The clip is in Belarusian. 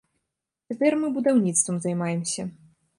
Цяпер мы будаўніцтвам займаемся.